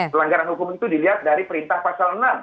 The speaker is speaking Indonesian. pelanggaran hukum itu dilihat dari perintah pasal enam